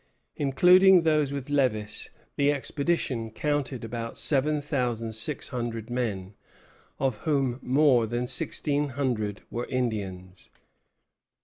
Including those with Lévis, the expedition counted about seven thousand six hundred men, of whom more than sixteen hundred were Indians.